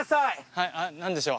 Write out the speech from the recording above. はい何でしょう？